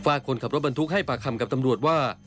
คนขับรถบรรทุกให้ปากคำกับตำรวจว่า